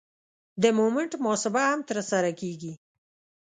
د مومنټ محاسبه هم ترسره کیږي